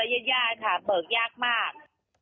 ค่ะเบิกยากมาก